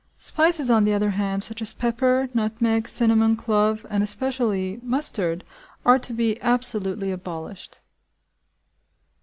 Spices, on the other hand, such as pepper, nutmeg, cinnamon, clove, and especially mustard, are to be absolutely abolished.